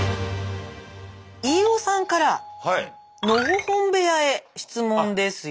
飯尾さんからのほほん部屋へ質問ですよ。